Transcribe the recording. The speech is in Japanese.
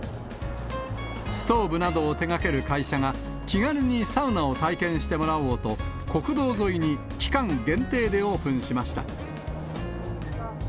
ストーブなどを手がける会社が、気軽にサウナを体験してもらおうと、国道沿いに期間限定でオープンしました。